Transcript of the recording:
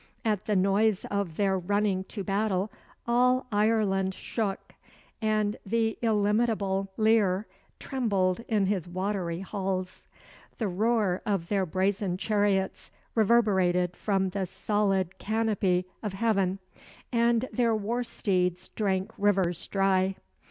At the noise of their running to battle all Ireland shook, and the illimitable Lir trembled in his watery halls; the roar of their brazen chariots reverberated from the solid canopy of heaven, and their war steeds drank rivers dry.